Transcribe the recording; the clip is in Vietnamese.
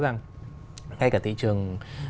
ngay cả thị trường